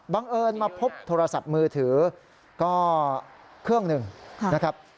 เอิญมาพบโทรศัพท์มือถือก็เครื่องหนึ่งนะครับ